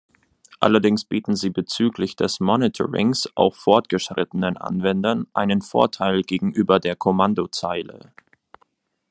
Allerdings bieten sie bezüglich des Monitorings auch fortgeschrittenen Anwendern einen Vorteil gegenüber der Kommandozeile.